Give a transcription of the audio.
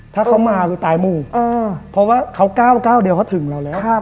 ตายหมู่เพราะว่าเขาก้าวเดียวเขาถึงเราแล้ว